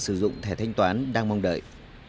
sử dụng thẻ thanh toán đang mong đợi